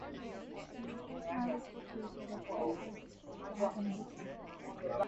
He additionally co-created the characters Vibe and Gypsy.